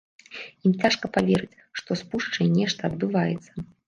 Ім цяжка паверыць, што з пушчай нешта адбываецца.